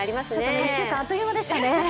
１週間、あっという間でしたね。